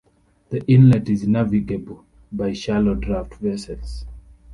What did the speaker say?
The inlet is navigable by shallow draft vessels.